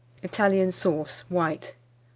ITALIAN SAUCE (White). 454.